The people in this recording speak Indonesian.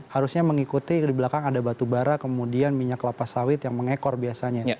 harusnya mengikuti di belakang ada batu bara kemudian minyak kelapa sawit yang mengekor biasanya